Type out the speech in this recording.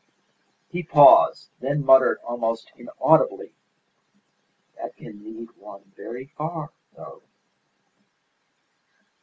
He paused, then muttered almost inaudibly, "That can lead one very far, though."